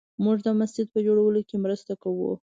موږ د مسجد په جوړولو کې مرسته کوو